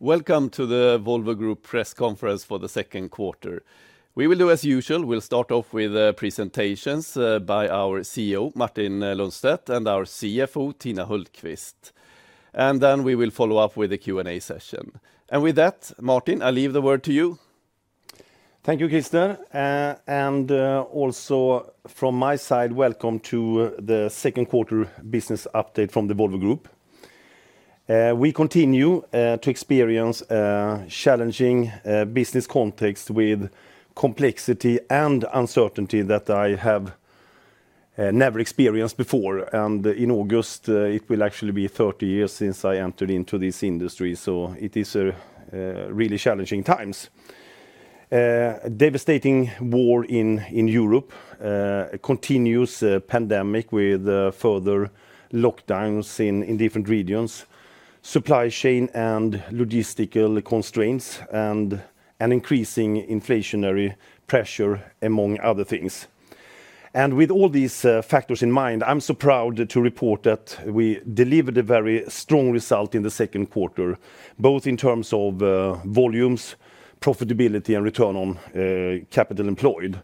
Welcome to the Volvo Group press conference for the second quarter. We will do as usual, we'll start off with presentations by our CEO, Martin Lundstedt and our CFO, Tina Hultkvist. Then we will follow up with a Q&A session. With that, Martin, I leave the word to you. Thank you, Christer. Also from my side, welcome to the second quarter business update from the Volvo Group. We continue to experience a challenging business context with complexity and uncertainty that I have never experienced before. In August, it will actually be 30 years since I entered into this industry, so it is really challenging times. Devastating war in Europe, continuous pandemic with further lockdowns in different regions, supply chain and logistical constraints and an increasing inflationary pressure among other things. With all these factors in mind, I'm so proud to report that we delivered a very strong result in the second quarter, both in terms of volumes, profitability, and return on capital employed.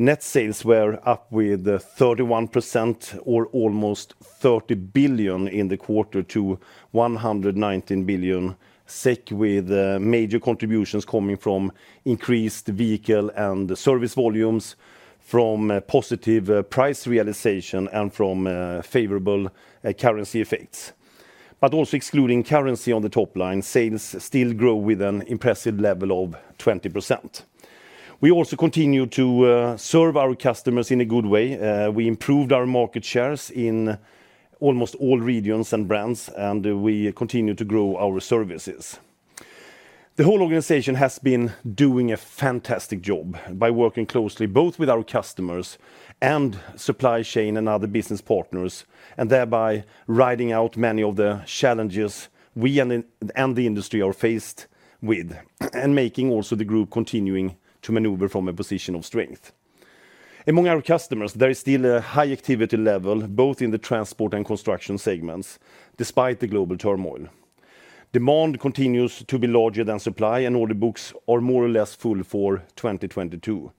Net sales were up with 31% or almost 30 billion in the quarter to 119 billion SEK, with major contributions coming from increased vehicle and service volumes from a positive price realization and from favorable currency effects. Also excluding currency on the top line, sales still grow with an impressive level of 20%. We also continue to serve our customers in a good way. We improved our market shares in almost all regions and brands, and we continue to grow our services. The whole organization has been doing a fantastic job by working closely both with our customers and supply chain and other business partners, and thereby riding out many of the challenges we and the industry are faced with, and making also the group continuing to maneuver from a position of strength. Among our customers, there is still a high activity level, both in the transport and construction segments, despite the global turmoil. Demand continues to be larger than supply, and order books are more or less full for 2022.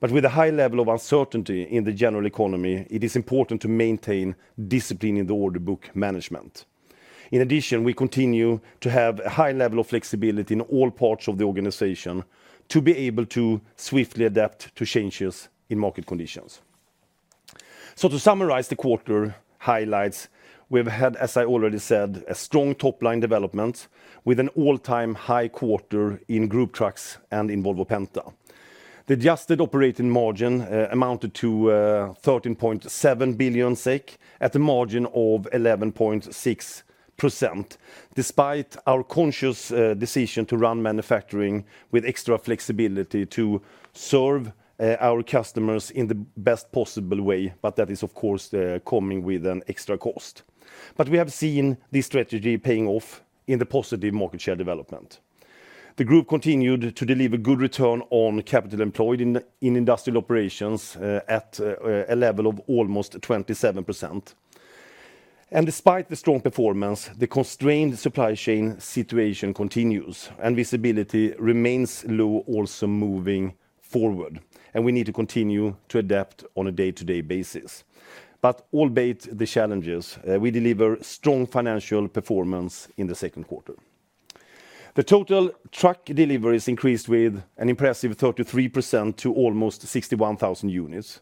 With a high level of uncertainty in the general economy, it is important to maintain discipline in the order book management. In addition, we continue to have a high level of flexibility in all parts of the organization to be able to swiftly adapt to changes in market conditions. To summarize the quarter highlights, we've had, as I already said, a strong top-line development with an all-time high quarter in Volvo Group Trucks and in Volvo Penta. The adjusted operating margin amounted to 13.7 billion SEK at a margin of 11.6%, despite our conscious decision to run manufacturing with extra flexibility to serve our customers in the best possible way, but that is of course coming with an extra cost. We have seen this strategy paying off in the positive market share development. The group continued to deliver good return on capital employed in industrial operations at a level of almost 27%. Despite the strong performance, the constrained supply chain situation continues, and visibility remains low also moving forward, and we need to continue to adapt on a day-to-day basis. Albeit the challenges, we deliver strong financial performance in the second quarter. The total truck deliveries increased with an impressive 33% to almost 61,000 units.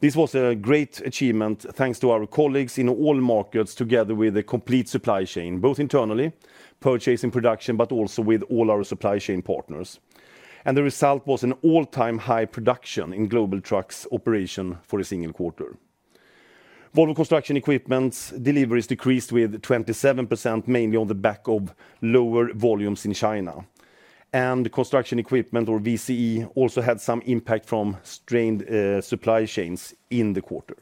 This was a great achievement, thanks to our colleagues in all markets together with a complete supply chain, both internally, purchasing production, but also with all our supply chain partners. The result was an all-time high production in global trucks operation for a single quarter. Volvo Construction Equipment deliveries decreased with 27%, mainly on the back of lower volumes in China. Construction Equipment, or VCE, also had some impact from strained supply chains in the quarter.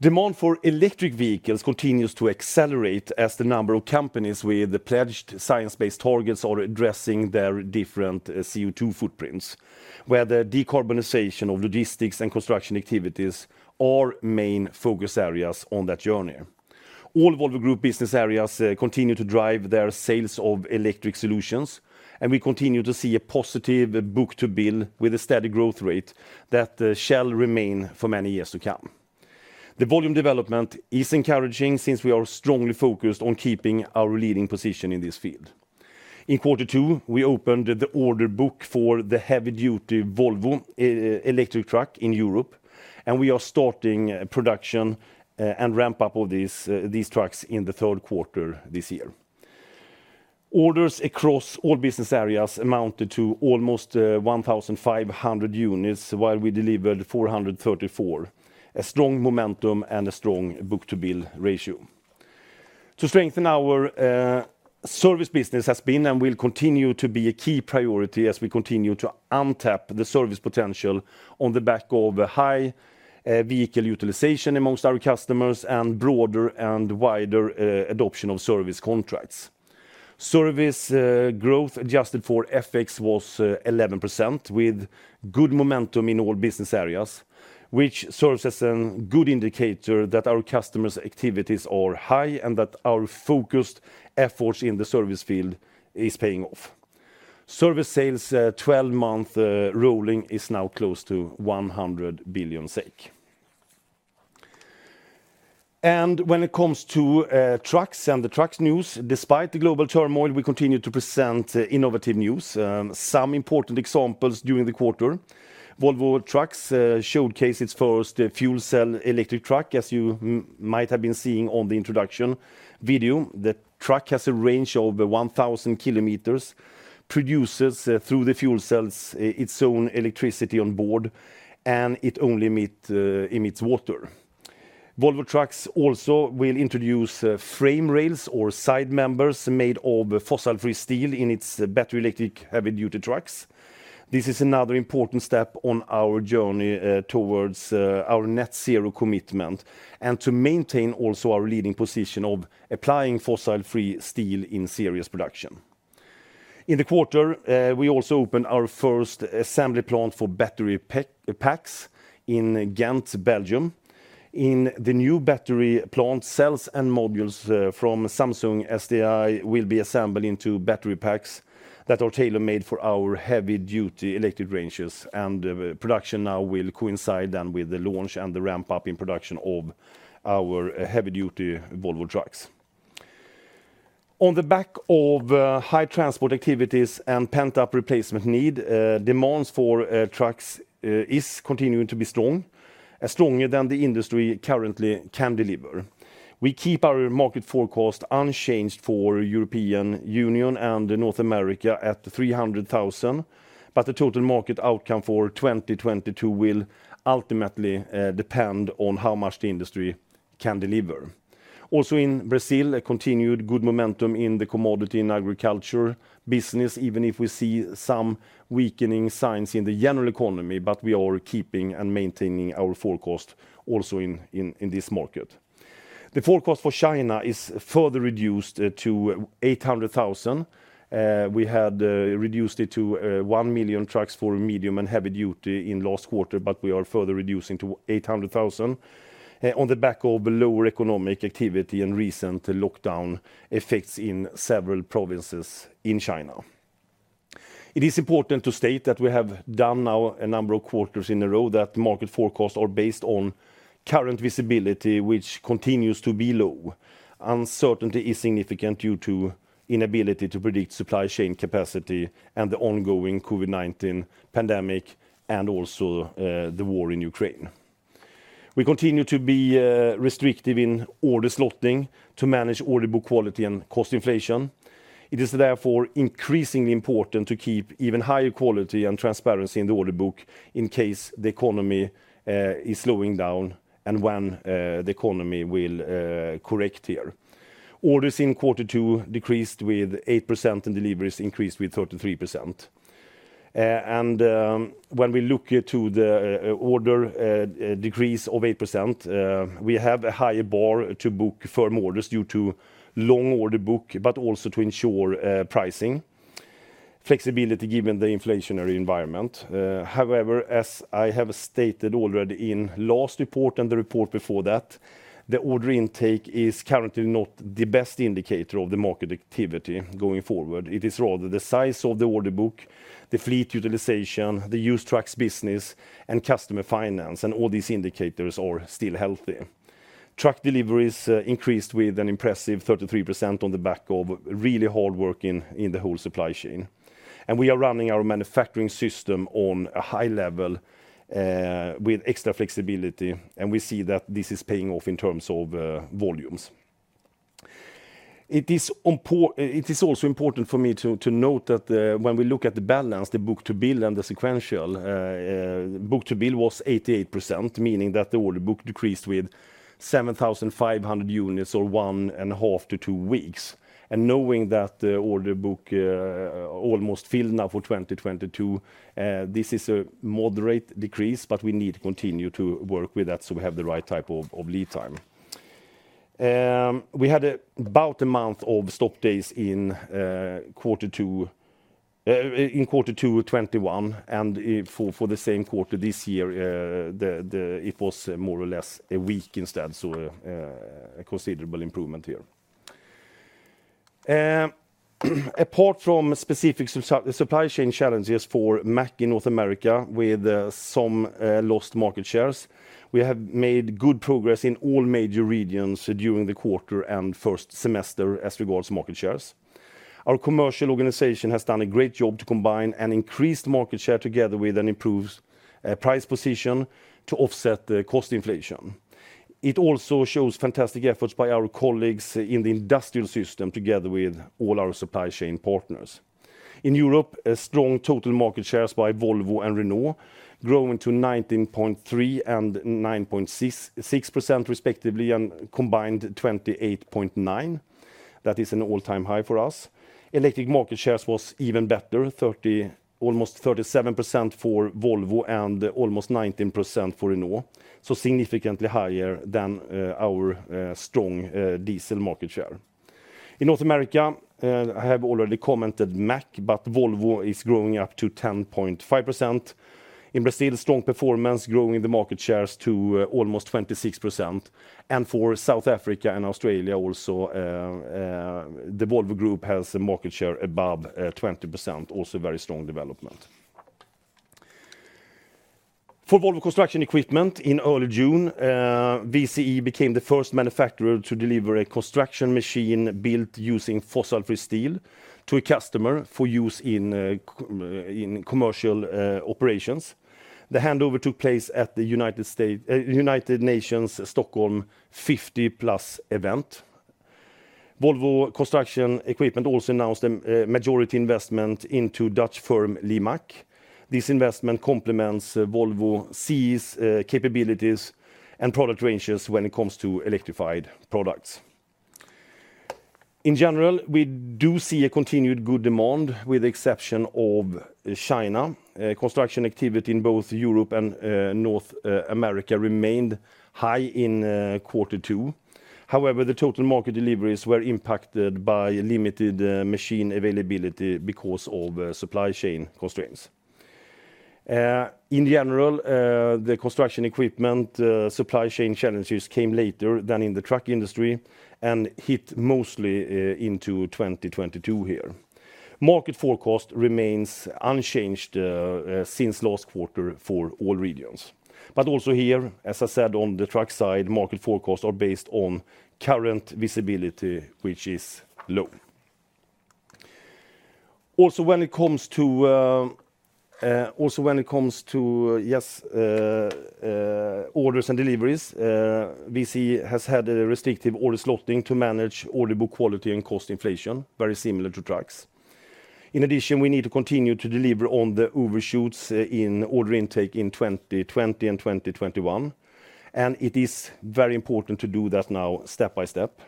Demand for electric vehicles continues to accelerate as the number of companies with the pledged science-based targets are addressing their different CO2 footprints, where the decarbonization of logistics and construction activities are main focus areas on that journey. All Volvo Group business areas continue to drive their sales of electric solutions, and we continue to see a positive book-to-bill with a steady growth rate that shall remain for many years to come. The volume development is encouraging since we are strongly focused on keeping our leading position in this field. In quarter two, we opened the order book for the heavy-duty Volvo electric truck in Europe, and we are starting production and ramp up all these trucks in the third quarter this year. Orders across all business areas amounted to almost 1,500 units, while we delivered 434, a strong momentum and a strong book-to-bill ratio. To strengthen our service business has been and will continue to be a key priority as we continue to untap the service potential on the back of a high vehicle utilization among our customers and broader and wider adoption of service contracts. Service growth adjusted for FX was 11% with good momentum in all business areas, which serves as a good indicator that our customers' activities are high and that our focused efforts in the service field is paying off. Service sales, 12-month rolling, is now close to 100 billion SEK. When it comes to trucks and the truck news, despite the global turmoil, we continue to present innovative news. Some important examples during the quarter, Volvo Trucks showcased its first fuel cell electric truck, as you might have been seeing on the introduction video. The truck has a range of 1,000 km, produces through the fuel cells its own electricity on board, and it only emits water. Volvo Trucks also will introduce frame rails or side members made of fossil-free steel in its battery electric heavy-duty trucks. This is another important step on our journey towards our net zero commitment and to maintain also our leading position of applying fossil-free steel in series production. In the quarter, we also opened our first assembly plant for battery packs in Ghent, Belgium. In the new battery plant, cells and modules from Samsung SDI will be assembled into battery packs that are tailor-made for our heavy-duty electric ranges, and production now will coincide then with the launch and the ramp-up in production of our heavy-duty Volvo Trucks. On the back of high transport activities and pent-up replacement need, demands for trucks is continuing to be strong, stronger than the industry currently can deliver. We keep our market forecast unchanged for European Union and North America at 300,000, but the total market outcome for 2022 will ultimately depend on how much the industry can deliver. Also, in Brazil, a continued good momentum in the commodity and agriculture business, even if we see some weakening signs in the general economy, but we are keeping and maintaining our forecast also in this market. The forecast for China is further reduced to 800,000. We had reduced it to one million trucks for medium and heavy duty in last quarter, but we are further reducing to 800,000 on the back of lower economic activity and recent lockdown effects in several provinces in China. It is important to state that we have done now a number of quarters in a row that market forecasts are based on current visibility, which continues to be low. Uncertainty is significant due to inability to predict supply chain capacity and the ongoing COVID-19 pandemic and also the war in Ukraine. We continue to be restrictive in order slotting to manage order book quality and cost inflation. It is therefore increasingly important to keep even higher quality and transparency in the order book in case the economy is slowing down and when the economy will correct here. Orders in quarter two decreased with 8% and deliveries increased with 33%. When we look here to the order decrease of 8%, we have a higher bar to book firm orders due to long order book, but also to ensure pricing flexibility given the inflationary environment. However, as I have stated already in last report and the report before that, the order intake is currently not the best indicator of the market activity going forward. It is rather the size of the order book, the fleet utilization, the used trucks business, and customer finance, and all these indicators are still healthy. Truck deliveries increased with an impressive 33% on the back of really hard work in the whole supply chain. We are running our manufacturing system on a high level, with extra flexibility, and we see that this is paying off in terms of volumes. It is also important for me to note that, when we look at the balance, the book-to-bill and the sequential book-to-bill was 88%, meaning that the order book decreased with 7,500 units or 1.5 to two weeks. Knowing that the order book almost filled now for 2022, this is a moderate decrease, but we need to continue to work with that so we have the right type of lead time. We had about a month of stop days in quarter two 2021, and for the same quarter this year, the. It was more or less a week instead, a considerable improvement here. Apart from specific supply chain challenges for Mack in North America with some lost market shares, we have made good progress in all major regions during the quarter and first semester as regards market shares. Our commercial organization has done a great job to combine an increased market share together with an improved price position to offset the cost inflation. It also shows fantastic efforts by our colleagues in the industrial system together with all our supply chain partners. In Europe, a strong total market shares by Volvo and Renault growing to 19.3% and 9.6% respectively and combined 28.9%. That is an all-time high for us. Electric market shares was even better, 30%, almost 37% for Volvo and almost 19% for Renault, so significantly higher than our strong diesel market share. In North America, I have already commented Mack, but Volvo is growing up to 10.5%. In Brazil, strong performance, growing the market shares to almost 26%. For South Africa and Australia also, the Volvo Group has a market share above 20%, also very strong development. For Volvo Construction Equipment, in early June, VCE became the first manufacturer to deliver a construction machine built using fossil-free steel to a customer for use in commercial operations. The handover took place at the United Nations Stockholm+50 event. Volvo Construction Equipment also announced a majority investment into Dutch firm Limach. This investment complements Volvo CE's capabilities and product ranges when it comes to electrified products. In general, we do see a continued good demand, with the exception of China. Construction activity in both Europe and North America remained high in quarter two. However, the total market deliveries were impacted by limited machine availability because of supply chain constraints. In general, the construction equipment supply chain challenges came later than in the truck industry and hit mostly into 2022 here. Market forecast remains unchanged since last quarter for all regions. Also here, as I said on the truck side, market forecasts are based on current visibility, which is low. Also, when it comes to orders and deliveries, VCE has had a restrictive order slotting to manage order book quality and cost inflation, very similar to trucks. In addition, we need to continue to deliver on the overshoots in order intake in 2020 and 2021, and it is very important to do that now step by step.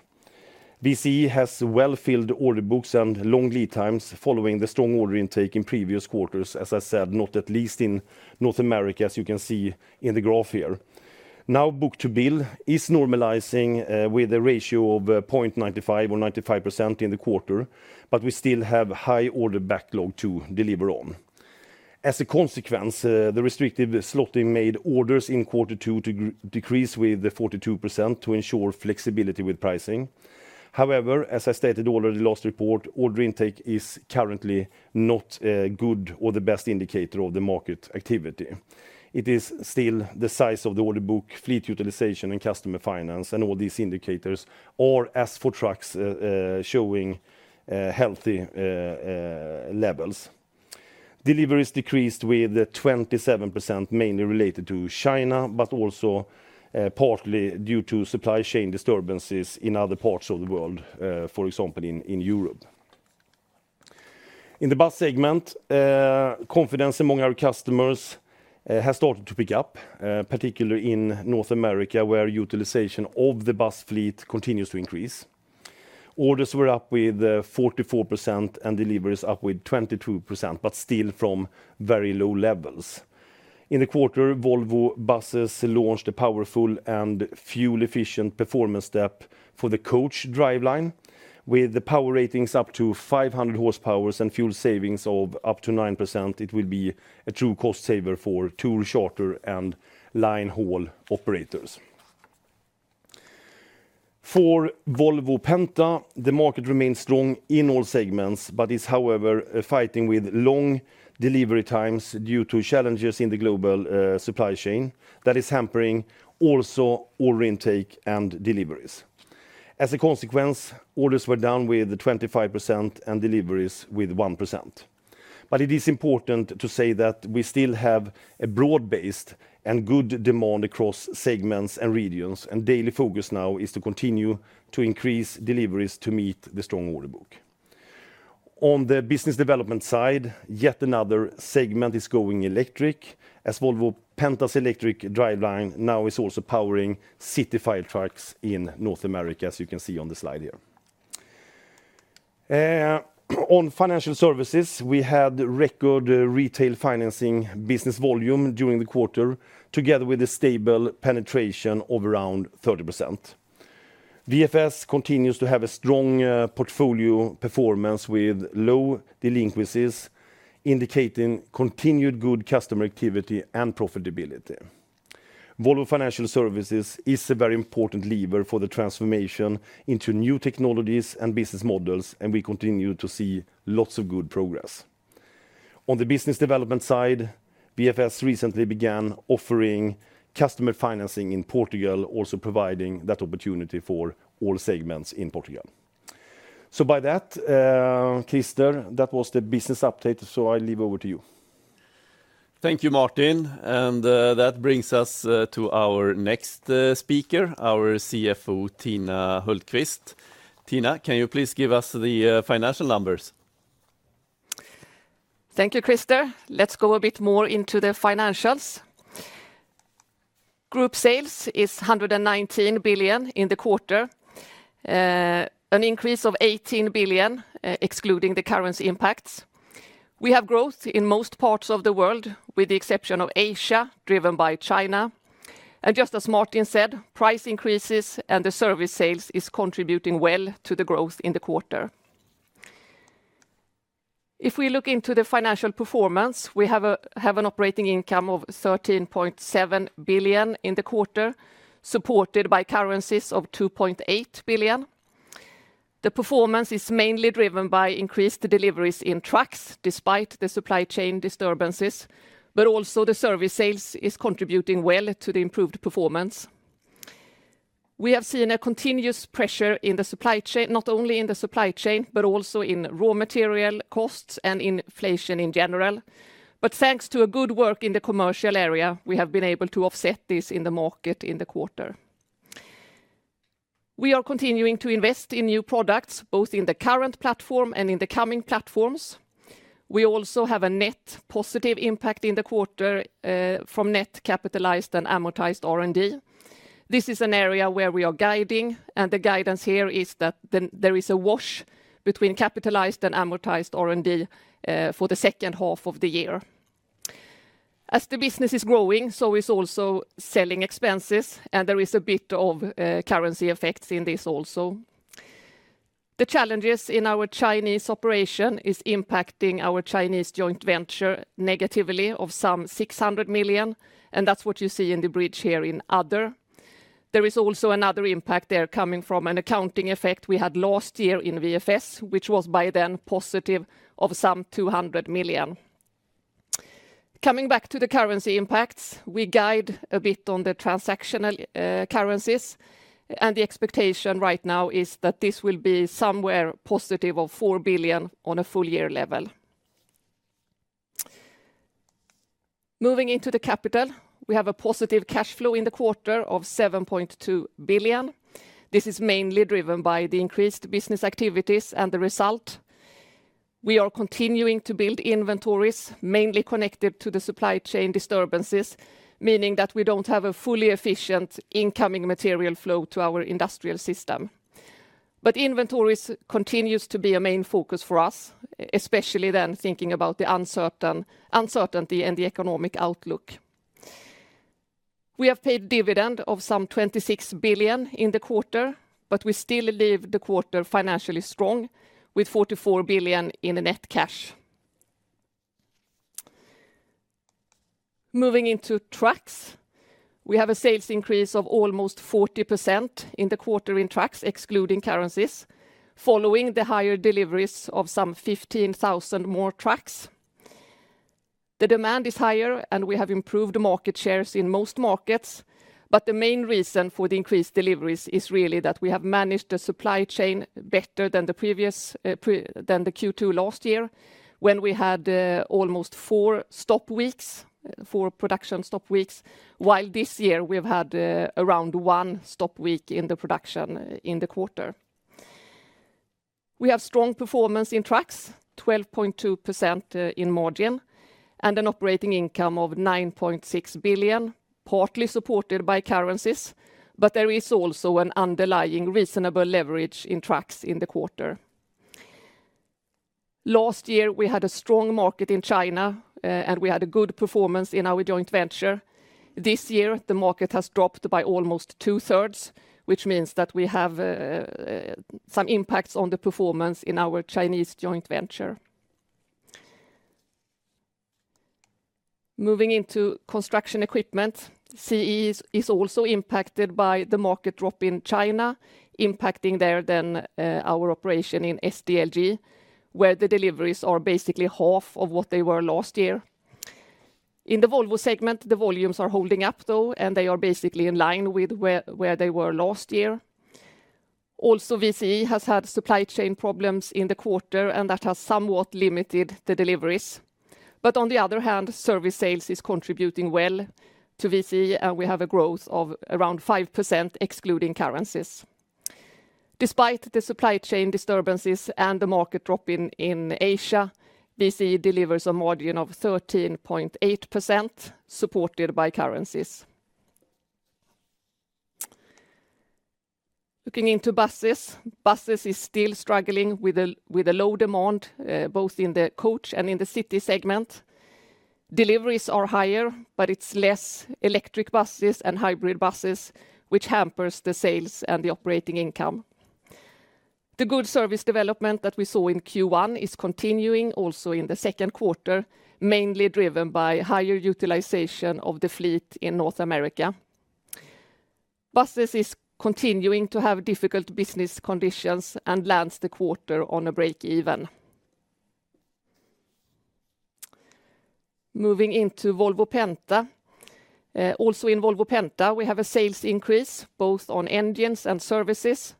VCE has well-filled order books and long lead times following the strong order intake in previous quarters, as I said, not least in North America, as you can see in the graph here. Now book-to-bill is normalizing with a ratio of 0.95 or 95% in the quarter, but we still have high order backlog to deliver on. As a consequence, the restrictive slotting made orders in quarter two decrease with 42% to ensure flexibility with pricing. However, as I stated already last report, order intake is currently not good or the best indicator of the market activity. It is still the size of the order book, fleet utilization, and customer finance, and all these indicators are, as for trucks, showing healthy levels. Deliveries decreased with 27%, mainly related to China, but also partly due to supply chain disturbances in other parts of the world, for example, in Europe. In the bus segment, confidence among our customers has started to pick up, particularly in North America, where utilization of the bus fleet continues to increase. Orders were up with 44% and deliveries up with 22%, but still from very low levels. In the quarter, Volvo Buses launched a powerful and fuel-efficient performance step for the coach driveline. With the power ratings up to 500 horsepowers and fuel savings of up to 9%, it will be a true cost saver for tour charter and line haul operators. For Volvo Penta, the market remains strong in all segments but is, however, fighting with long delivery times due to challenges in the global supply chain that is hampering also order intake and deliveries. As a consequence, orders were down with 25% and deliveries with 1%. It is important to say that we still have a broad-based and good demand across segments and regions, and daily focus now is to continue to increase deliveries to meet the strong order book. On the business development side, yet another segment is going electric, as Volvo Penta's electric driveline now is also powering city fire trucks in North America, as you can see on the slide here. On financial services, we had record retail financing business volume during the quarter, together with a stable penetration of around 30%. VFS continues to have a strong portfolio performance with low delinquencies, indicating continued good customer activity and profitability. Volvo Financial Services is a very important lever for the transformation into new technologies and business models, and we continue to see lots of good progress. On the business development side, VFS recently began offering customer financing in Portugal, also providing that opportunity for all segments in Portugal. By that, Christer, that was the business update, so I hand over to you. Thank you, Martin. That brings us to our next speaker, our CFO, Tina Hultkvist. Tina, can you please give us the financial numbers? Thank you, Christer. Let's go a bit more into the financials. Group sales is 119 billion in the quarter, an increase of 18 billion, excluding the currency impacts. We have growth in most parts of the world, with the exception of Asia, driven by China. Just as Martin said, price increases and the service sales is contributing well to the growth in the quarter. If we look into the financial performance, we have an operating income of 13.7 billion in the quarter, supported by currencies of 2.8 billion. The performance is mainly driven by increased deliveries in trucks despite the supply chain disturbances, but also the service sales is contributing well to the improved performance. We have seen a continuous pressure in the supply chain, not only in the supply chain, but also in raw material costs and inflation in general. Thanks to a good work in the commercial area, we have been able to offset this in the market in the quarter. We are continuing to invest in new products, both in the current platform and in the coming platforms. We also have a net positive impact in the quarter from net capitalized and amortized R&D. This is an area where we are guiding, and the guidance here is that there is a wash between capitalized and amortized R&D for the second half of the year. As the business is growing, so is also selling expenses, and there is a bit of currency effects in this also. The challenges in our Chinese operation is impacting our Chinese joint venture negatively of some 600 million, and that's what you see in the bridge here in other. There is also another impact there coming from an accounting effect we had last year in VFS, which was by then positive of some 200 million. Coming back to the currency impacts, we guide a bit on the transactional currencies, and the expectation right now is that this will be somewhere positive of 4 billion on a full year level. Moving into the capital, we have a positive cash flow in the quarter of 7.2 billion. This is mainly driven by the increased business activities and the result. We are continuing to build inventories mainly connected to the supply chain disturbances, meaning that we don't have a fully efficient incoming material flow to our industrial system. Inventories continues to be a main focus for us, especially then thinking about the uncertainty and the economic outlook. We have paid dividend of some 26 billion in the quarter, but we still leave the quarter financially strong with 44 billion in the net cash. Moving into trucks, we have a sales increase of almost 40% in the quarter in trucks, excluding currencies, following the higher deliveries of some 15,000 more trucks. The demand is higher, and we have improved market shares in most markets. The main reason for the increased deliveries is really that we have managed the supply chain better than the Q2 last year, when we had almost four production stop weeks, while this year we've had around one stop week in the production in the quarter. We have strong performance in trucks, 12.2% in margin, and an operating income of 9.6 billion, partly supported by currencies, but there is also an underlying reasonable leverage in trucks in the quarter. Last year, we had a strong market in China, and we had a good performance in our joint venture. This year, the market has dropped by almost two-thirds, which means that we have some impacts on the performance in our Chinese joint venture. Moving into construction equipment, CE is also impacted by the market drop in China, impacting our operation in SDLG, where the deliveries are basically half of what they were last year. In the Volvo segment, the volumes are holding up, though, and they are basically in line with where they were last year. Also, VCE has had supply chain problems in the quarter, and that has somewhat limited the deliveries. On the other hand, service sales is contributing well to VCE, and we have a growth of around 5%, excluding currencies. Despite the supply chain disturbances and the market drop in Asia, VCE delivers a margin of 13.8%, supported by currencies. Looking into buses is still struggling with a low demand, both in the coach and in the city segment. Deliveries are higher, but it's less electric buses and hybrid buses, which hampers the sales and the operating income. The good service development that we saw in Q1 is continuing also in the second quarter, mainly driven by higher utilization of the fleet in North America. Buses is continuing to have difficult business conditions and lands the quarter on a break-even. Moving into Volvo Penta. Also in Volvo Penta, we have a sales increase both on engines and services,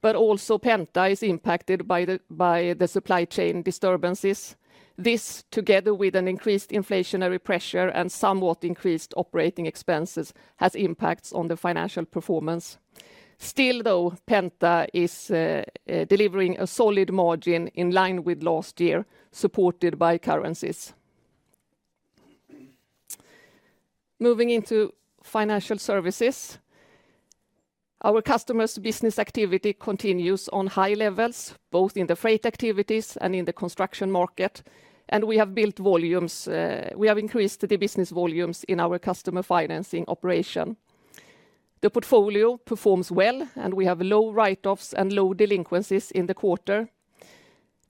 but also Penta is impacted by the supply chain disturbances. This, together with an increased inflationary pressure and somewhat increased operating expenses, has impacts on the financial performance. Still, though, Penta is delivering a solid margin in line with last year, supported by currencies. Moving into financial services. Our customers business activity continues on high levels, both in the freight activities and in the construction market. We have increased the business volumes in our customer financing operation. The portfolio performs well, and we have low write-offs and low delinquencies in the quarter.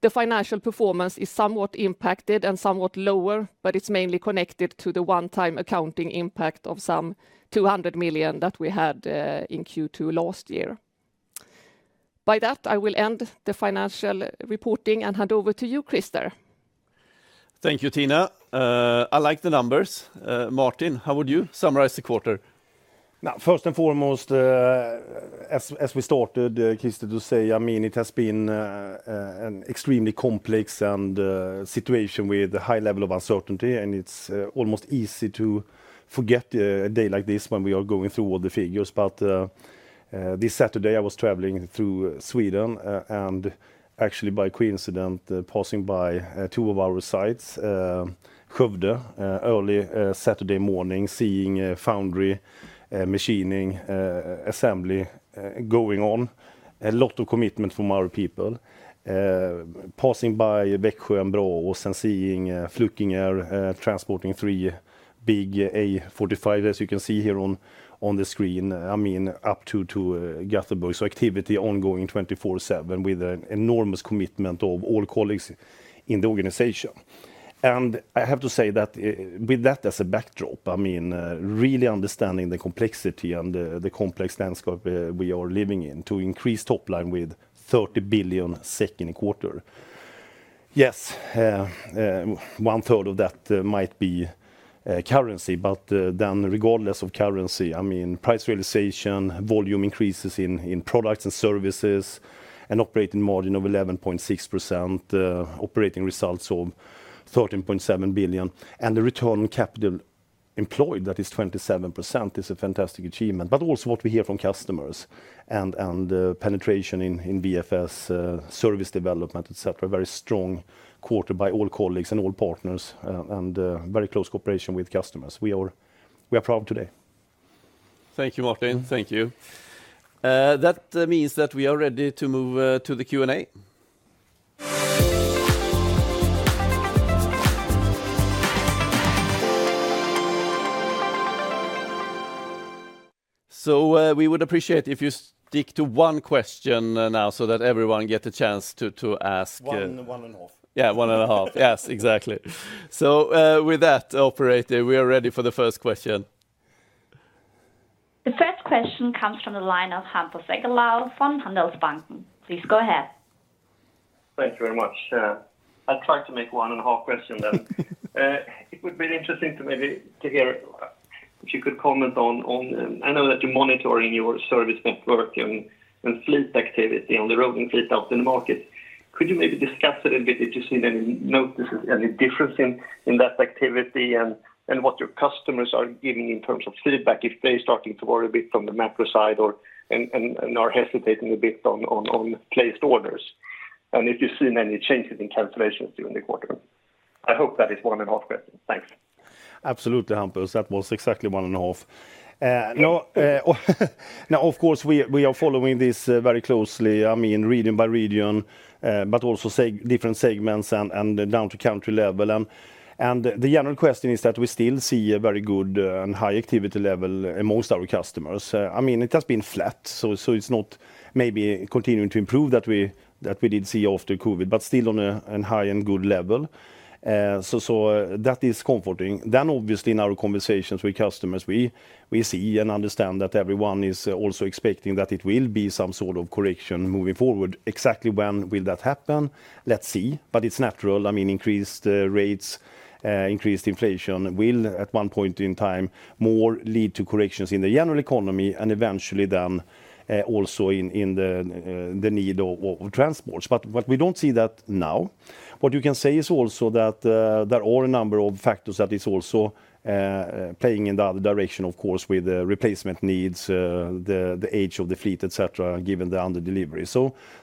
The financial performance is somewhat impacted and somewhat lower, but it's mainly connected to the one-time accounting impact of some 200 million that we had in Q2 last year. With that, I will end the financial reporting and hand over to you, Christer. Thank you, Tina. I like the numbers. Martin, how would you summarize the quarter? Now, first and foremost, as we started, Christer, to say, I mean, it has been an extremely complex and uncertain situation with a high level of uncertainty, and it's almost easy to forget a day like this when we are going through all the figures. This Saturday, I was traveling through Sweden, and actually by coincidence, passing by two of our sites, Skövde, early Saturday morning, seeing foundry, machining, assembly going on. A lot of commitment from our people. Passing by Växjö and Braås, and seeing Flückiger transporting three big A45G, as you can see here on the screen, I mean, up to Gothenburg. Activity ongoing twenty-four/seven, with an enormous commitment of all colleagues in the organization. I have to say that, with that as a backdrop, I mean, really understanding the complexity and the complex landscape we are living in, to increase top line with 30 billion second quarter. Yes, one third of that might be currency. Then regardless of currency, I mean, price realization, volume increases in products and services, an operating margin of 11.6%, operating results of 13.7 billion, and the return on capital employed, that is 27%, is a fantastic achievement. Also what we hear from customers and penetration in VFS, service development, etc., very strong quarter by all colleagues and all partners, and very close cooperation with customers. We are proud today. Thank you, Martin. Thank you. That means that we are ready to move to the Q&A. We would appreciate if you stick to one question now, so that everyone get a chance to ask. 1.5. Yeah, 1.5. Yes, exactly. With that, operator, we are ready for the first question. The first question comes from the line of Hampus Engellau from Handelsbanken Capital Markets. Please go ahead. Thank you very much. I'll try to make one and a half question then. It would be interesting to hear if you could comment on. I know that you're monitoring your service network and fleet activity on the road and fleet out in the market. Could you discuss a little bit if you've seen any notices, any difference in that activity and what your customers are giving in terms of feedback, if they're starting to order a bit from the macro side or are hesitating a bit on placed orders? If you've seen any changes in cancellations during the quarter. I hope that is one and a half questions. Thanks. Absolutely, Hampus. That was exactly 1.5. No, now, of course, we are following this very closely. I mean, region by region, but also different segments and down to country level. The general question is that we still see a very good and high activity level among our customers. I mean, it has been flat, so it's not maybe continuing to improve that we did see after COVID, but still on a high and good level. That is comforting. Obviously in our conversations with customers, we see and understand that everyone is also expecting that it will be some sort of correction moving forward. Exactly when will that happen? Let's see. It's natural. I mean, increased rates, increased inflation will at one point in time more lead to corrections in the general economy and eventually then also in the need of transports. But what we don't see that now. What you can say is also that there are a number of factors that is also playing in the other direction, of course, with the replacement needs, the age of the fleet, et cetera, given the under delivery.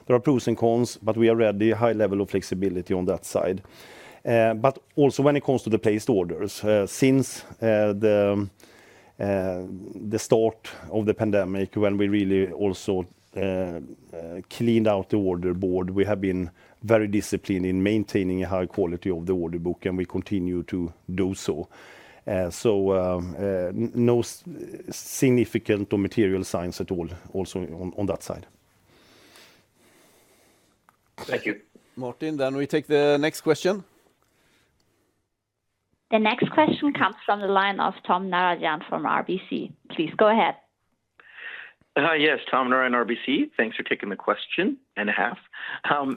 There are pros and cons, but we are ready, a high level of flexibility on that side. Also when it comes to the placed orders, since the start of the pandemic, when we really also cleaned out the order board, we have been very disciplined in maintaining a high quality of the order book, and we continue to do so. No significant or material signs at all also on that side. Thank you. Martin, we take the next question. The next question comes from the line of Tom Narayan from RBC Capital Markets. Please go ahead. Yes. Tom Narayan, RBC. Thanks for taking the question and a half.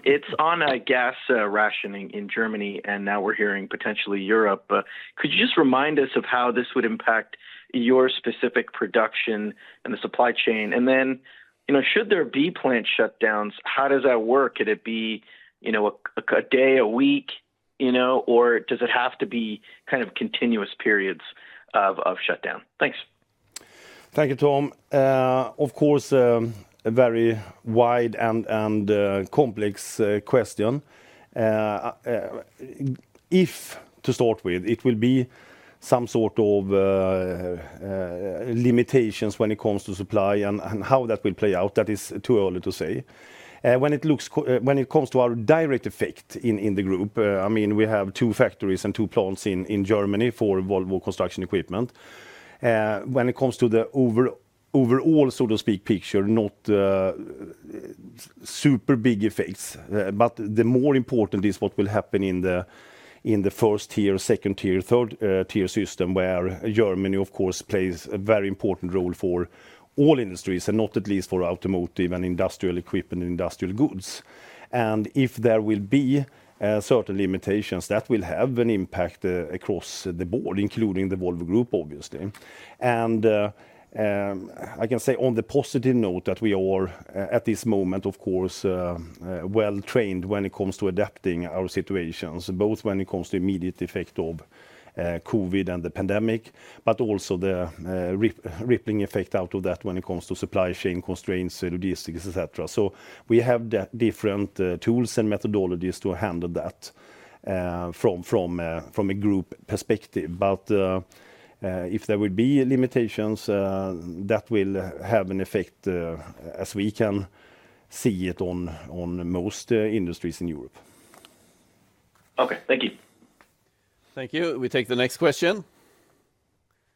It's on gas rationing in Germany, and now we're hearing potentially Europe. Could you just remind us of how this would impact your specific production and the supply chain? Then, you know, should there be plant shutdowns, how does that work? Could it be, you know, a day, a week, you know? Or does it have to be kind of continuous periods of shutdown? Thanks. Thank you, Tom. Of course, a very wide and complex question. If to start with it will be some sort of limitations when it comes to supply and how that will play out, that is too early to say. When it comes to our direct effect in the group, I mean, we have two factories and two plants in Germany for Volvo Construction Equipment. When it comes to the overall, so to speak, picture, not super big effects. But the more important is what will happen in the first tier, second tier, third tier system where Germany, of course, plays a very important role for all industries, and not at least for automotive and industrial equipment and industrial goods. If there will be certain limitations, that will have an impact across the board, including the Volvo Group, obviously. I can say on the positive note that we are at this moment, of course, well-trained when it comes to adapting our situations, both when it comes to immediate effect of COVID and the pandemic, but also the rippling effect out of that when it comes to supply chain constraints, logistics, et cetera. We have different tools and methodologies to handle that from a group perspective. If there will be limitations, that will have an effect, as we can see it on most industries in Europe. Okay, thank you. Thank you. We take the next question.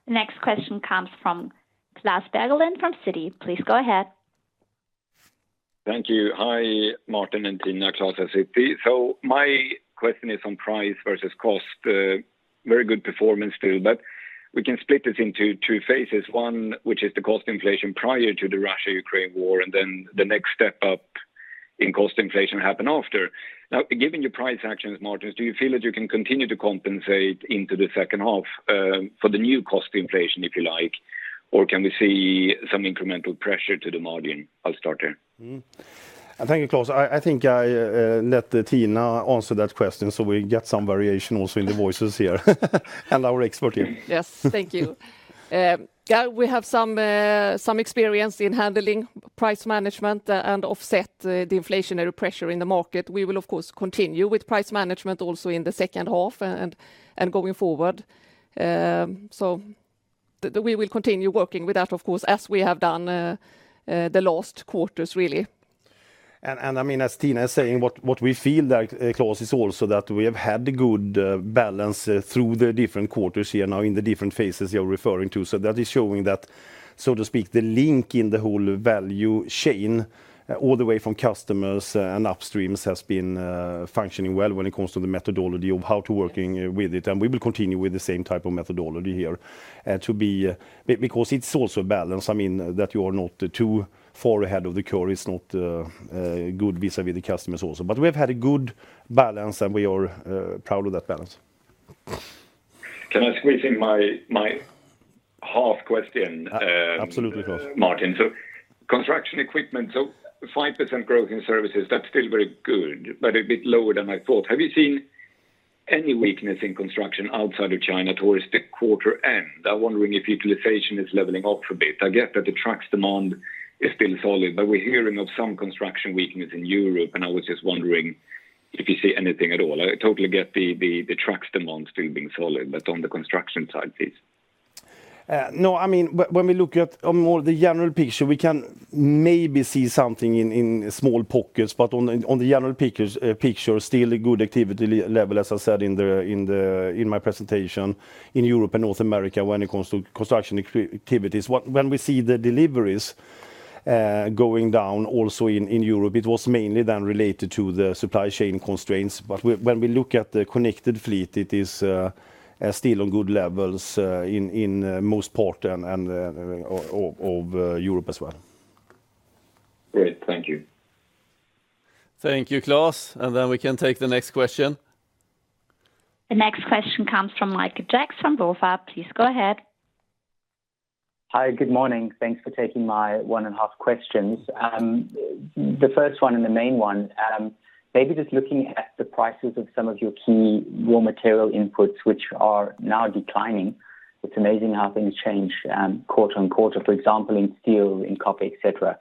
Next question comes from Klas Bergelind from Citigroup. Please go ahead. Thank you. Hi, Martin and Tina. Klas at Citigroup. My question is on price versus cost. Very good performance too, but we can split this into two phases. One, which is the cost inflation prior to the Russia-Ukraine war, and then the next step up in cost inflation happened after. Now, given your price actions, Martin, do you feel that you can continue to compensate into the second half, for the new cost inflation, if you like? Or can we see some incremental pressure to the margin? I'll start there. Thank you, Klas. I think I'll let Tina answer that question, so we get some variation also in the voices here and our expertise. Yes. Thank you. Yeah, we have some experience in handling price management and offset the inflationary pressure in the market. We will, of course, continue with price management also in the second half and going forward. We will continue working with that, of course, as we have done the last quarters, really. I mean, as Tina is saying, what we feel like, Klas, is also that we have had a good balance through the different quarters here now in the different phases you're referring to. That is showing that, so to speak, the link in the whole value chain all the way from customers and upstreams has been functioning well when it comes to the methodology of how to working with it. We will continue with the same type of methodology here because it's also a balance. I mean, that you are not too far ahead of the curve is not good vis-a-vis the customers also. We have had a good balance, and we are proud of that balance. Can I squeeze in my half question? Absolutely, Klas. Martin? Construction equipment, 5% growth in services, that's still very good, but a bit lower than I thought. Have you seen any weakness in construction outside of China towards the quarter end? I'm wondering if utilization is leveling off a bit. I get that the trucks demand is still solid, but we're hearing of some construction weakness in Europe, and I was just wondering if you see anything at all. I totally get the trucks demand still being solid, but on the construction side, please. No, I mean, when we look at a more general picture, we can maybe see something in small pockets, but on the general picture, still a good activity level, as I said in my presentation, in Europe and North America when it comes to construction activities. When we see the deliveries going down also in Europe, it was mainly then related to the supply chain constraints. When we look at the connected fleet, it is still on good levels in most parts of Europe as well. Great. Thank you. Thank you, Klas. We can take the next question. The next question comes from Michael Jacks from Bank of America Securities. Please go ahead. Hi. Good morning. Thanks for taking my 1.5 questions. The first one and the main one, maybe just looking at the prices of some of your key raw material inputs, which are now declining. It's amazing how things change, quarter on quarter, for example, in steel, in copper, et cetera.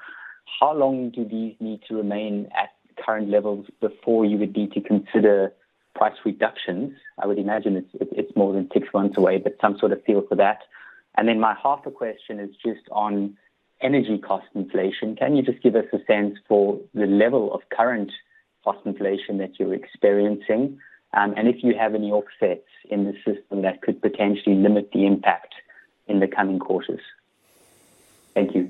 How long do these need to remain at current levels before you would need to consider price reductions? I would imagine it's more than six months away, but some sort of feel for that. My half a question is just on energy cost inflation. Can you just give us a sense for the level of current cost inflation that you're experiencing? And if you have any offsets in the system that could potentially limit the impact in the coming quarters. Thank you.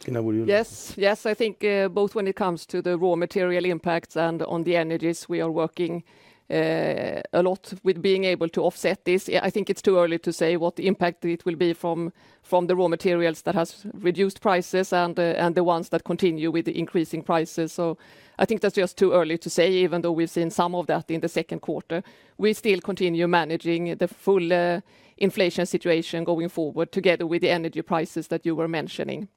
Tina, would you? Yes. Yes. I think both when it comes to the raw material impacts and on the energies, we are working a lot with being able to offset this. Yeah, I think it's too early to say what the impact it will be from the raw materials that has reduced prices and the ones that continue with the increasing prices. I think that's just too early to say, even though we've seen some of that in the second quarter. We still continue managing the full inflation situation going forward, together with the energy prices that you were mentioning.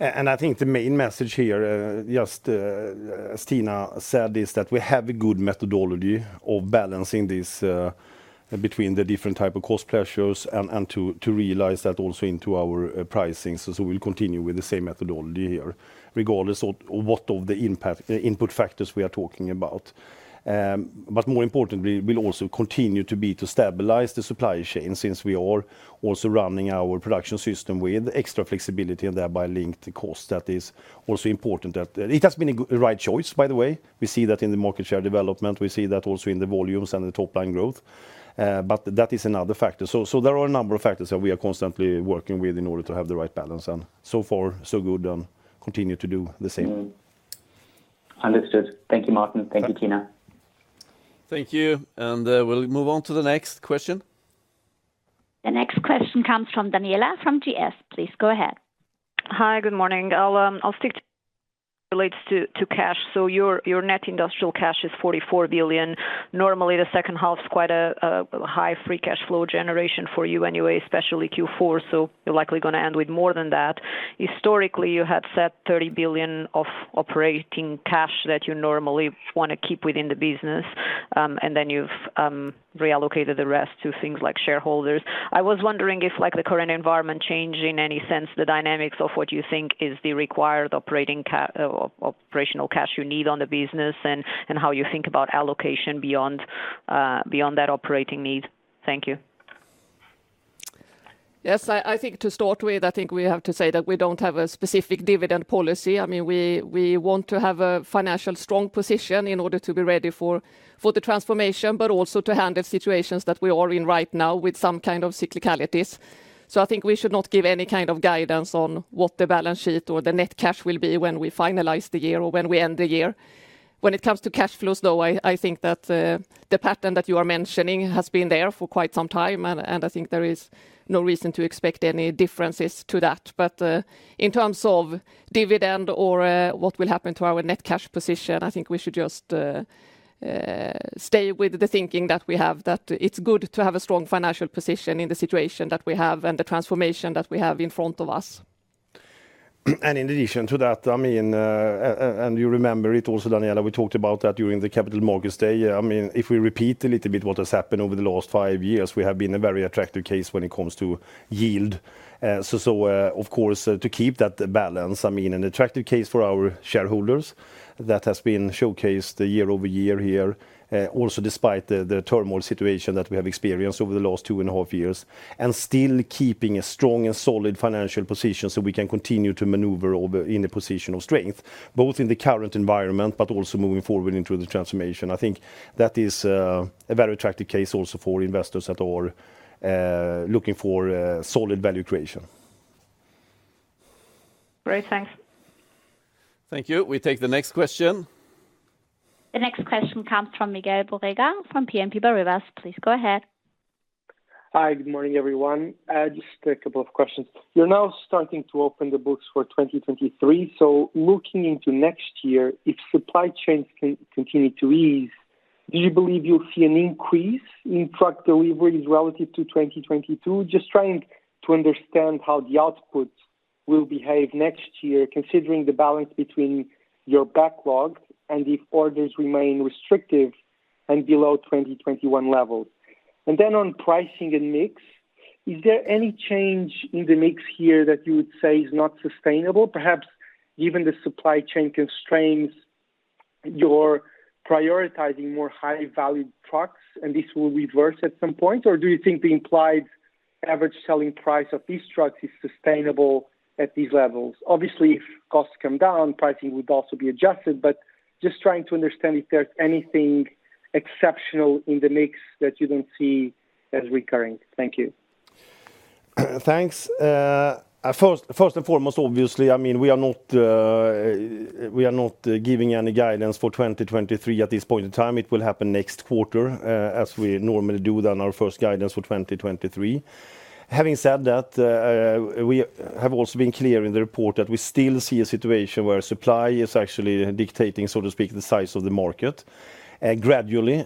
I think the main message here, just as Tina said, is that we have a good methodology of balancing this between the different type of cost pressures and to realize that also into our pricing. We'll continue with the same methodology here regardless of what impact input factors we are talking about. But more importantly, we'll also continue to stabilize the supply chain since we are also running our production system with extra flexibility and thereby linked cost. That is also important. It has been a right choice by the way. We see that in the market share development. We see that also in the volumes and the top line growth. That is another factor. There are a number of factors that we are constantly working with in order to have the right balance. So far so good, continue to do the same. Understood. Thank you, Martin. Thank you. Thank you, Tina. Thank you. We'll move on to the next question. The next question comes from Daniela Costa, from Goldman Sachs. Please go ahead. Hi. Good morning. I'll stick to cash. So your net industrial cash is 44 billion. Normally, the second half is quite a high free cash flow generation for you anyway, especially Q4, so you're likely gonna end with more than that. Historically, you have set 30 billion of operating cash that you normally wanna keep within the business, and then you've reallocated the rest to things like shareholders. I was wondering if, like, the current environment changed in any sense, the dynamics of what you think is the required operating operational cash you need on the business and how you think about allocation beyond beyond that operating need. Thank you. Yes. I think to start with, I think we have to say that we don't have a specific dividend policy. I mean, we want to have a financial strong position in order to be ready for the transformation, but also to handle situations that we are in right now with some kind of cyclicalities. I think we should not give any kind of guidance on what the balance sheet or the net cash will be when we finalize the year or when we end the year. When it comes to cash flows, though, I think that the pattern that you are mentioning has been there for quite some time, and I think there is no reason to expect any differences to that. In terms of dividend or what will happen to our net cash position, I think we should just stay with the thinking that we have, that it's good to have a strong financial position in the situation that we have and the transformation that we have in front of us. In addition to that, I mean, you remember it also, Daniela, we talked about that during the Capital Markets Day. I mean, if we repeat a little bit what has happened over the last five years, we have been a very attractive case when it comes to yield. Of course, to keep that balance, I mean, an attractive case for our shareholders that has been showcased year over year here. Also despite the turmoil situation that we have experienced over the last two and a half years, and still keeping a strong and solid financial position so we can continue to maneuver over in a position of strength, both in the current environment but also moving forward into the transformation. I think that is a very attractive case also for investors that are looking for solid value creation. Great. Thanks. Thank you. We take the next question. The next question comes from Miguel Borrega, from BNP Paribas. Please go ahead. Hi. Good morning, everyone. Just a couple of questions. You're now starting to open the books for 2023. Looking into next year, if supply chains continue to ease, do you believe you'll see an increase in truck deliveries relative to 2022? Just trying to understand how the output will behave next year, considering the balance between your backlog and if orders remain restrictive and below 2021 levels. Then on pricing and mix, is there any change in the mix here that you would say is not sustainable? Perhaps given the supply chain constraints, you're prioritizing more high-value trucks, and this will reverse at some point. Or do you think the implied average selling price of these trucks is sustainable at these levels? Obviously, if costs come down, pricing would also be adjusted, but just trying to understand if there's anything exceptional in the mix that you don't see as recurring? Thank you. Thanks. First and foremost, obviously, I mean, we are not giving any guidance for 2023 at this point in time. It will happen next quarter, as we normally do, then our first guidance for 2023. Having said that, we have also been clear in the report that we still see a situation where supply is actually dictating, so to speak, the size of the market, gradually,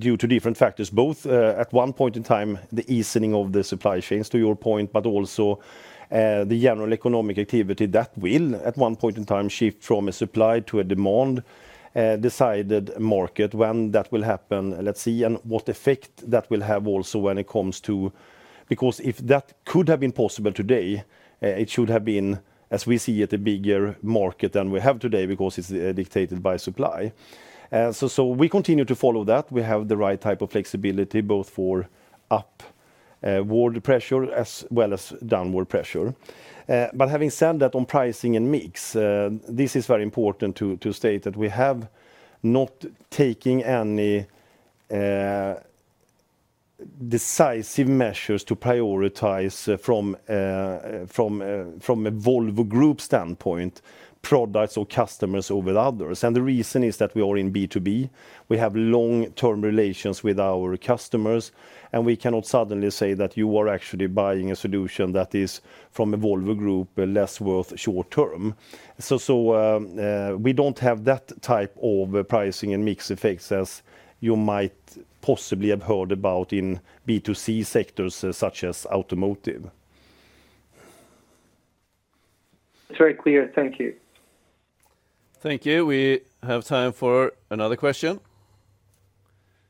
due to different factors, both, at one point in time, the easing of the supply chains, to your point. Also, the general economic activity that will, at one point in time, shift from a supply to a demand decided market. When that will happen, let's see, and what effect that will have also when it comes to. Because if that could have been possible today, it should have been, as we see it, a bigger market than we have today because it's dictated by supply. We continue to follow that. We have the right type of flexibility both for upward pressure as well as downward pressure. But having said that, on pricing and mix, this is very important to state that we have not taking any decisive measures to prioritize from a Volvo Group standpoint, products or customers over others. The reason is that we are in B2B, we have long-term relations with our customers, and we cannot suddenly say that you are actually buying a solution that is from a Volvo Group less worth short-term. We don't have that type of pricing and mix effects as you might possibly have heard about in B2C sectors, such as automotive. It's very clear. Thank you. Thank you. We have time for another question.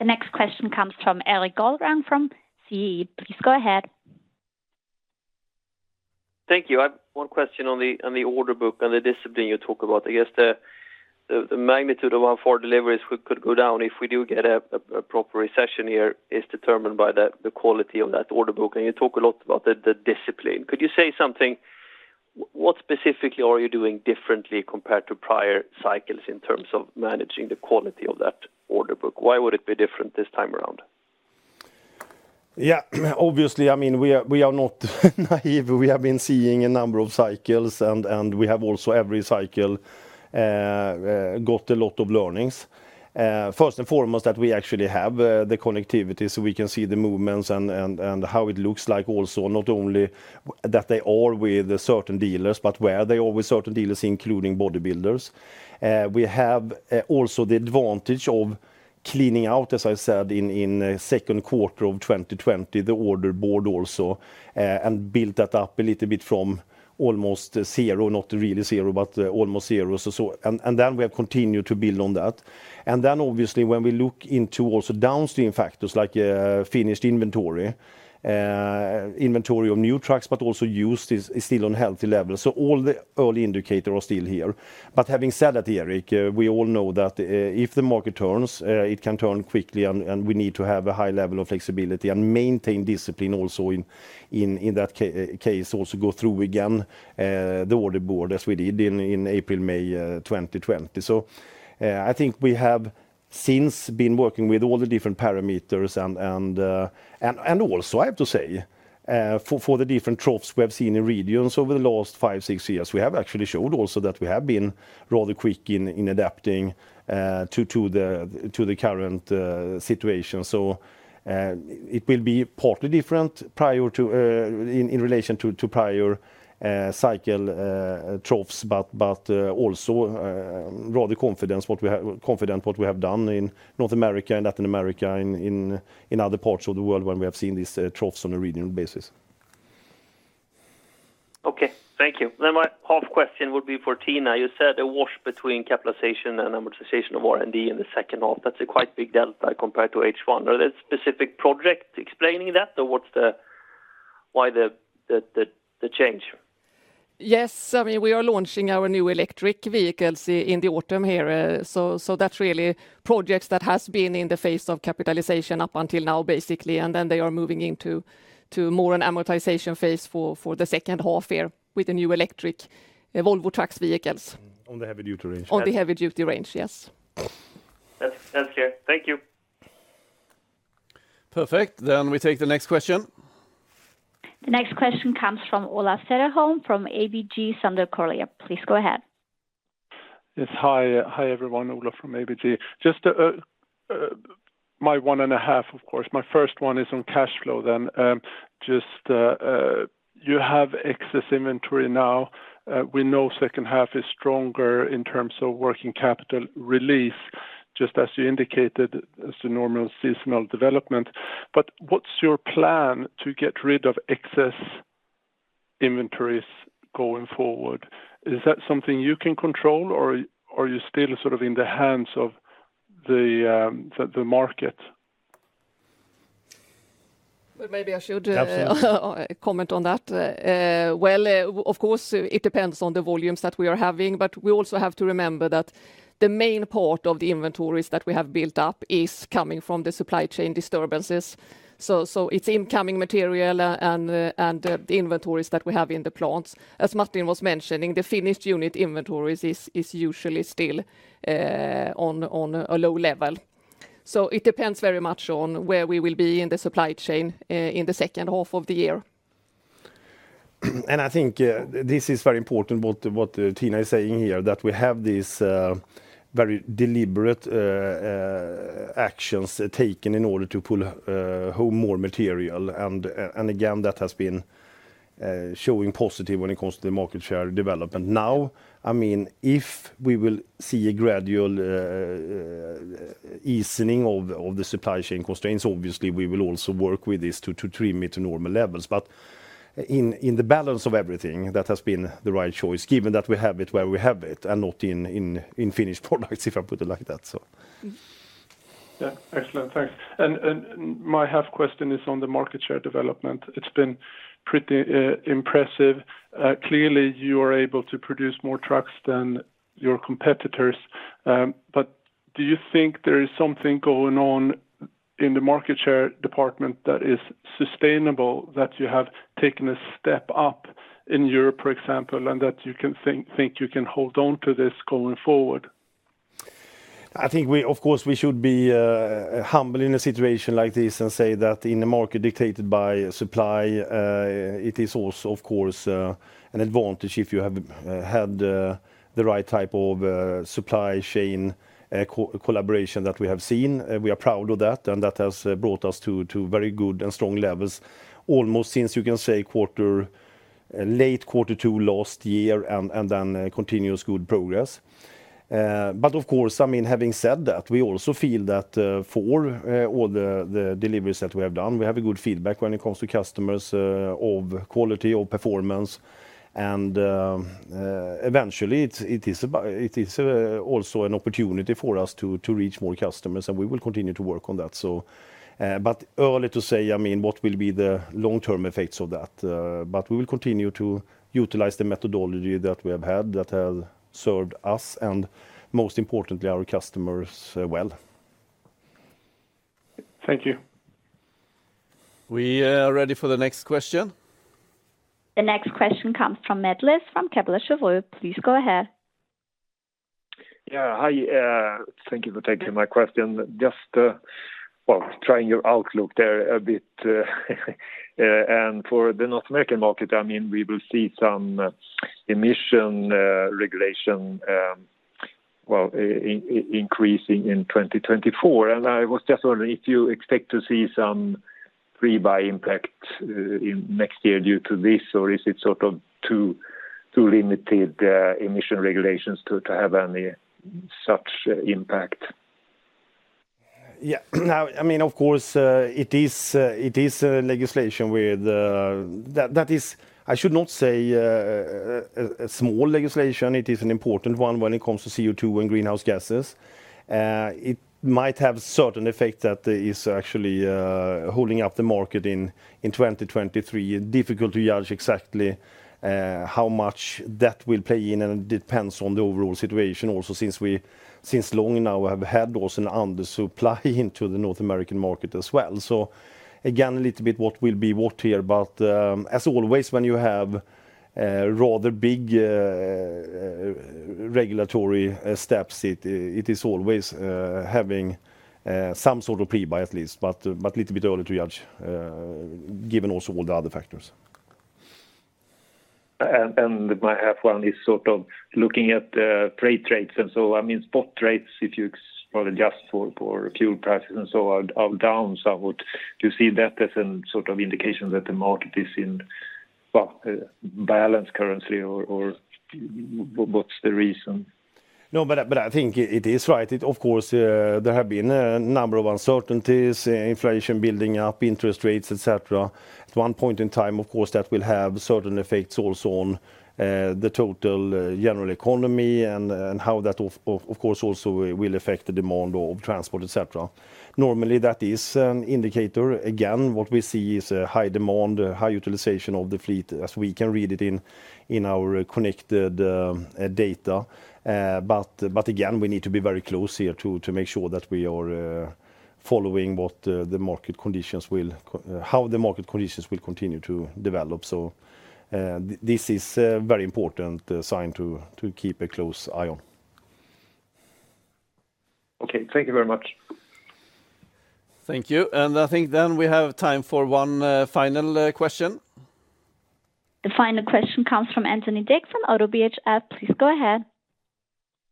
The next question comes from Erik Golrang from SEB. Please go ahead. Thank you. I have one question on the order book and the discipline you talk about. I guess the magnitude around four deliveries could go down if we do get a proper recession here is determined by the quality of that order book. You talk a lot about the discipline. Could you say something, what specifically are you doing differently compared to prior cycles in terms of managing the quality of that order book? Why would it be different this time around? Yeah. Obviously, I mean, we are not naive. We have been seeing a number of cycles and we have also every cycle got a lot of learnings. First and foremost, that we actually have the connectivity, so we can see the movements and how it looks like also, not only that they are with certain dealers, but where they are with certain dealers, including body builders. We have also the advantage of cleaning out, as I said, in second quarter of 2020, the order book also and built that up a little bit from almost zero, not really zero, but almost zero. We have continued to build on that. Obviously when we look into also downstream factors like finished inventory of new trucks, but also used is still on healthy levels. All the early indicators are still here. Having said that, Erik, we all know that if the market turns it can turn quickly and we need to have a high level of flexibility and maintain discipline also in that case, also go through again the order board as we did in April, May, 2020. I think we have since been working with all the different parameters and also I have to say, for the different troughs we have seen in regions over the last five to six years, we have actually showed also that we have been rather quick in adapting to the current situation. It will be partly different prior to in relation to prior cycle troughs. Also, rather confident what we have done in North America and Latin America, in other parts of the world when we have seen these troughs on a regional basis. Okay. Thank you. My half question would be for Tina. You said a wash between capitalization and amortization of R&D in the second half. That's a quite big delta compared to H1. Are there specific project explaining that? Or what's the? Why the change? Yes. I mean, we are launching our new electric vehicles in the autumn here. That's really projects that has been in the phase of capitalization up until now, basically. They are moving into more of an amortization phase for the second half year with the new electric Volvo Trucks vehicles. On the heavy-duty range. On the heavy-duty range, yes. That's clear. Thank you. Perfect. We take the next question. The next question comes from Olof Söderholm from ABG Sundal Collier. Please go ahead. Yes. Hi. Hi, everyone. Ola from ABG. Just my one and a half, of course. My first one is on cash flow then. Just you have excess inventory now. We know second half is stronger in terms of working capital relief, just as you indicated, as a normal seasonal development. What's your plan to get rid of excess inventories going forward? Is that something you can control or are you still sort of in the hands of the market? Well, maybe I should. Absolutely. Comment on that. Well, of course, it depends on the volumes that we are having, but we also have to remember that the main part of the inventories that we have built up is coming from the supply chain disturbances. It's incoming material, and the inventories that we have in the plants. As Martin was mentioning, the finished unit inventories is usually still on a low level. It depends very much on where we will be in the supply chain in the second half of the year. I think this is very important what Tina is saying here, that we have this very deliberate actions taken in order to pull home more material. Again, that has been showing positive when it comes to the market share development. Now, I mean, if we will see a gradual easing of the supply chain constraints, obviously, we will also work with this to trim it to normal levels. In the balance of everything, that has been the right choice, given that we have it where we have it and not in finished products, if I put it like that. Yeah. Excellent. Thanks. My half question is on the market share development. It's been pretty impressive. Clearly, you are able to produce more trucks than your competitors. But do you think there is something going on in the market share department that is sustainable, that you have taken a step up in Europe, for example, and that you can think you can hold on to this going forward? I think we, of course, should be humble in a situation like this and say that in a market dictated by supply, it is also, of course, an advantage if you have had the right type of supply chain collaboration that we have seen. We are proud of that, and that has brought us to very good and strong levels, almost since you can say quarter late quarter two last year and then continuous good progress. But of course, I mean, having said that, we also feel that for all the deliveries that we have done, we have a good feedback when it comes to customers of quality, of performance. Eventually it is also an opportunity for us to reach more customers, and we will continue to work on that. It's early to say, I mean, what will be the long-term effects of that. We will continue to utilize the methodology that we have had that has served us, and most importantly our customers, well. Thank you. We are ready for the next question. The next question comes from Mats Liss from Kepler Cheuvreux. Please go ahead. Yeah. Hi, thank you for taking my question. Just, well, trying your outlook there a bit, and for the North American market, I mean, we will see some emission regulation increasing in 2024. I was just wondering if you expect to see some pre-buy impact in next year due to this, or is it sort of too limited emission regulations to have any such impact? Yeah. Now, I mean, of course, that is, I should not say a small legislation. It is an important one when it comes to CO2 and greenhouse gases. It might have certain effect that is actually holding up the market in 2023. Difficult to judge exactly how much that will play in, and it depends on the overall situation also since long now we have had also an under supply into the North American market as well. Again, a little bit what will be what here. As always, when you have rather big regulatory steps, it is always having some sort of pre-buy at least. A little bit early to judge, given also all the other factors. My F1 is sort of looking at freight rates. I mean, spot rates, if you adjust for fuel prices, are down somewhat. Do you see that as a sort of indication that the market is in, well, balance currently or what's the reason? No, but I think it is right. It of course, there have been a number of uncertainties, inflation building up, interest rates, et cetera. At one point in time, of course, that will have certain effects also on the total general economy and how that of course also will affect the demand of transport, et cetera. Normally, that is an indicator. Again, what we see is a high demand, a high utilization of the fleet as we can read it in our connected data. But again, we need to be very close here to make sure that we are following how the market conditions will continue to develop. This is a very important sign to keep a close eye on. Okay. Thank you very much. Thank you. I think then we have time for one final question. The final question comes from Anthony Dick from Oddo BHF. Please go ahead.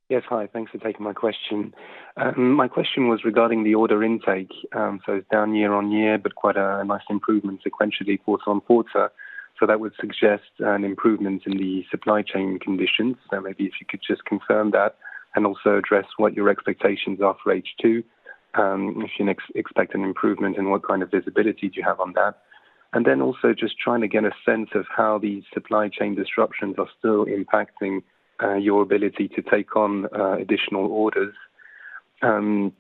Yes. Hi. Thanks for taking my question. My question was regarding the order intake. It's down year-over-year, but quite a nice improvement sequentially quarter-over-quarter. That would suggest an improvement in the supply chain conditions. Maybe if you could just confirm that, and also address what your expectations are for H2, if you expect an improvement, and what kind of visibility do you have on that? Then also just trying to get a sense of how the supply chain disruptions are still impacting your ability to take on additional orders. Are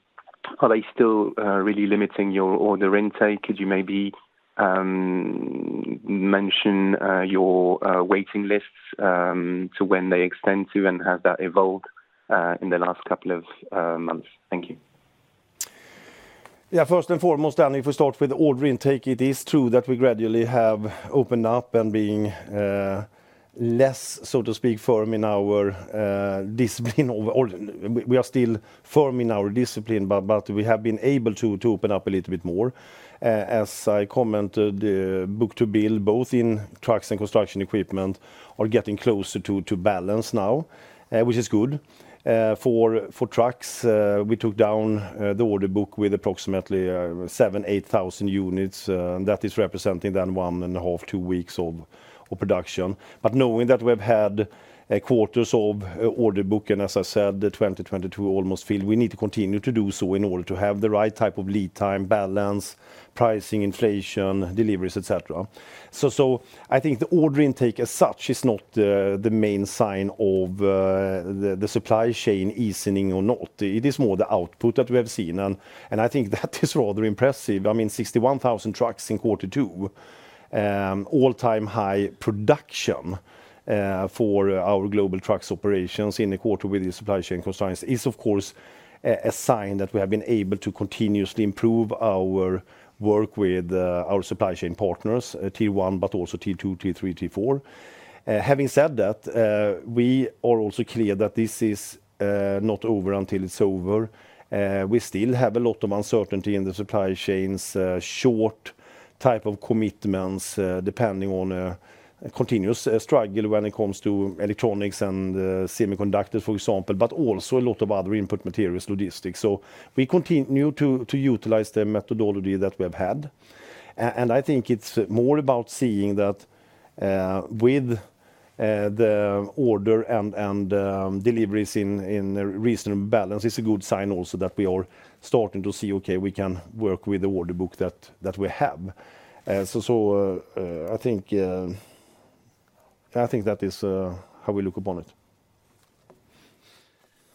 they still really limiting your order intake? Could you maybe mention your waiting lists to when they extend to, and have that evolved in the last couple of months? Thank you. Yeah. First and foremost, Anthony, if we start with order intake, it is true that we gradually have opened up. We are still firm in our discipline, but we have been able to open up a little bit more. As I commented, book-to-bill, both in trucks and construction equipment, are getting closer to balance now, which is good. For trucks, we took down the order book with approximately 7,000, 8,000 units. That is representing then 1.5, two weeks of production. Knowing that we've had a quarter's order book, and as I said, the 2022 almost filled, we need to continue to do so in order to have the right type of lead time, balance, pricing, inflation, deliveries, et cetera. I think the order intake as such is not the main sign of the supply chain easing or not. It is more the output that we have seen and I think that is rather impressive. I mean, 61,000 trucks in quarter two, all-time high production for our global trucks operations in the quarter with the supply chain constraints is of course a sign that we have been able to continuously improve our work with our supply chain partners, T1 but also T2, T3, T4. Having said that, we are also clear that this is not over until it's over. We still have a lot of uncertainty in the supply chains, short-term commitments, depending on a continuous struggle when it comes to electronics and semiconductors, for example, but also a lot of other input materials, logistics. We continue to utilize the methodology that we have had. I think it's more about seeing that with the order and deliveries in reasonable balance is a good sign also that we are starting to see, okay, we can work with the order book that we have. I think that is how we look upon it.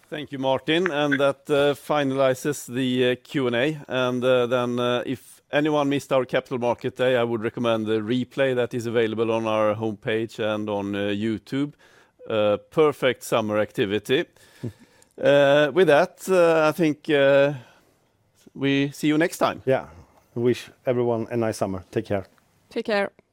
Thank you, Martin. That finalizes the Q&A. If anyone missed our Capital Markets Day, I would recommend the replay that is available on our homepage and on YouTube. A perfect summer activity. With that, I think we see you next time. Yeah. Wish everyone a nice summer. Take care. Take care.